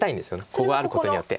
ここがあることによって。